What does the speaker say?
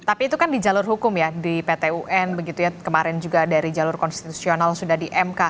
tapi itu kan di jalur hukum ya di pt un begitu ya kemarin juga dari jalur konstitusional sudah di mk